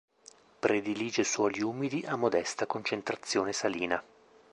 Predilige suoli umidi a modesta concentrazione salina.